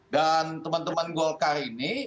dan teman teman golkar ini